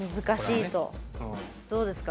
どうですか？